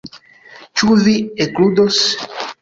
Ĉu vi ekludos?